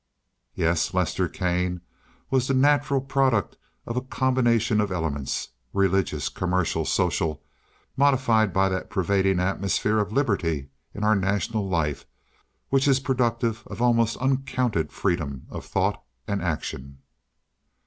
Yes, Lester Kane was the natural product of a combination of elements—religious, commercial, social—modified by that pervading atmosphere of liberty in our national life which is productive of almost uncounted freedom of thought and action.